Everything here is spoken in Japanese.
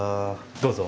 どうぞ。